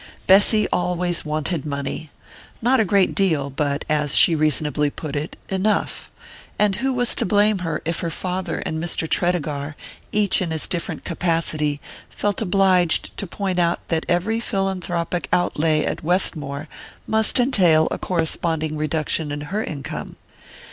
Bessy always wanted money not a great deal, but, as she reasonably put it, "enough" and who was to blame if her father and Mr. Tredegar, each in his different capacity, felt obliged to point out that every philanthropic outlay at Westmore must entail a corresponding reduction in her income?